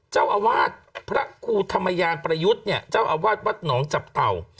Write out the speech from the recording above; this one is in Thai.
เจ้าอาวาสพระครูธรรมยานประยุทธ์เนี่ยเจ้าอาวาสวัดหนองจับเต่า